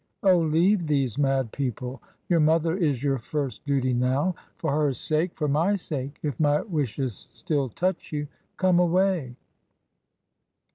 Oh, leave these mad people! Your mother is your first duty now. For her sake, for my sake, if my wishes still touch you, come away."